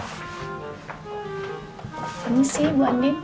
ini sih buat dia pak